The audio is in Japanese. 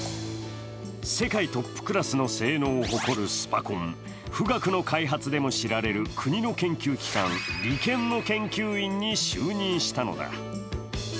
世界トップクラスの性能を誇るスパコン、富岳の開発でも知られる国の研究機関、理研の研究員に就任したのだ。